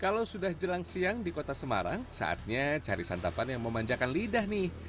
kalau sudah jelang siang di kota semarang saatnya cari santapan yang memanjakan lidah nih